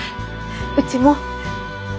うちも。